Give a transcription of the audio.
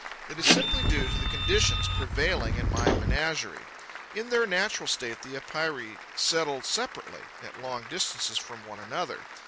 It is simply due to the conditions prevailing in my menagerie. In their natural state, the Epeirae settle separately, at long distances from one another.